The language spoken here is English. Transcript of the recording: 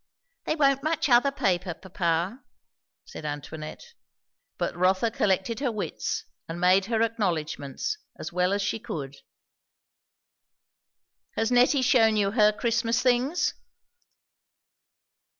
"They won't match other paper, papa," said Antoinette. But Rotha collected her wits and made her acknowledgments, as well as she could. "Has Nettie shewn you her Christmas things?"